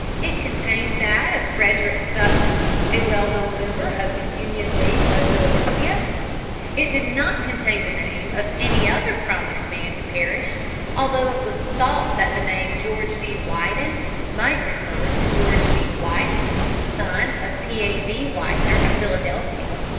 It contained that of Frederick Sutton, a well known member of the Union League of Philadelphia. It did not contain the name of any other prominent man who perished, although it was thought that the name "George W. Widen" might refer to George D. Widener, son of P. A. B. Widener, of Philadelphia.